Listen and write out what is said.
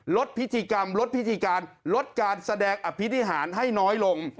ลดพิธีกรรมลดพิธีการลดการแสดงอภินิหารให้น้อยลง